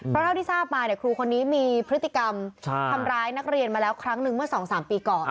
เพราะเท่าที่ทราบมาครูคนนี้มีพฤติกรรมทำร้ายนักเรียนมาแล้วครั้งหนึ่งเมื่อ๒๓ปีก่อน